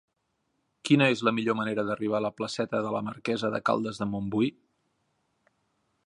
Quina és la millor manera d'arribar a la placeta de la Marquesa de Caldes de Montbui?